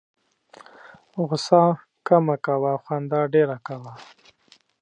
غوسه کمه کوه او خندا ډېره کوه.